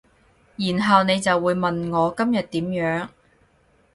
然後你就會問我今日點樣